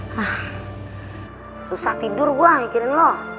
ah susah tidur gue mikirin lo